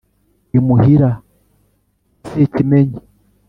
imuhira wa sekimenyi